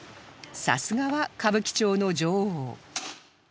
さすがは歌舞伎町の女王